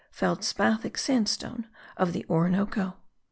FELSPATHIC SANDSTONE OF THE ORINOCO.